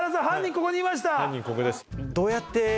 ここにいました！